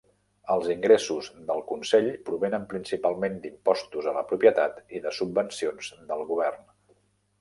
Els ingressos del consell provenen principalment d'impostos a la propietat i de subvencions del govern.